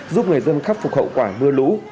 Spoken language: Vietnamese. giúp người dân khắc phục hậu quả mưa lũ